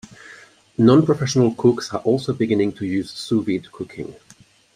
Non-professional cooks are also beginning to use sous-vide cooking.